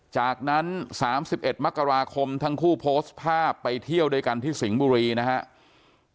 จากนั้น๓๑มกราคมทั้งคู่โพสต์ภาพไปเที่ยวด้วยกันที่สิงห์บุรีนะครับ